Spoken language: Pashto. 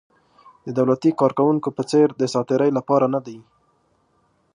د دولتي کارکوونکو په څېر د ساعت تېرۍ لپاره نه دي.